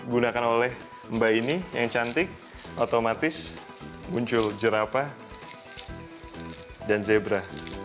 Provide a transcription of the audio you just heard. gunakan oleh mbak ini yang cantik otomatis muncul jerapa dan zebra